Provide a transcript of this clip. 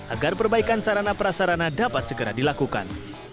agar perbaikan sarana prasarana dapat segera dilakukan